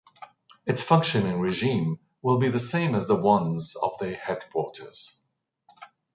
Its functioning regime will be the same as the ones of the headquarters.